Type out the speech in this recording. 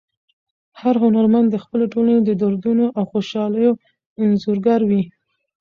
هر هنرمند د خپلې ټولنې د دردونو او خوشحالیو انځورګر وي.